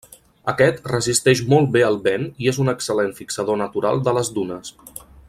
Aquest resisteix molt bé el vent i és un excel·lent fixador natural de les dunes.